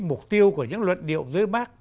mục tiêu của những luận điệu dưới mắt